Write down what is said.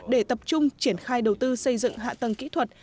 để tập trung triển khai đầu tư xây dựng hạ tầng kỹ thuật